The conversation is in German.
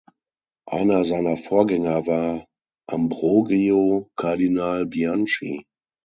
Einer seiner Vorgänger war Ambrogio Kardinal Bianchi.